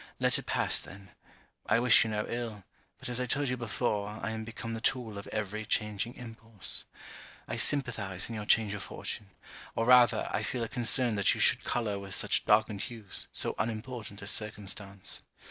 Let it pass then. I wish you no ill, but as I told you before, I am become the tool of every changing impulse. I sympathize in your change of fortune; or rather, I feel a concern that you should colour with such darkened hues, so unimportant a circumstance.